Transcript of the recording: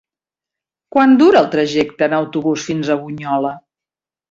Quant dura el trajecte en autobús fins a Bunyola?